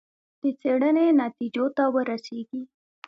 د څېړنې نتیجو ته ورسېږي.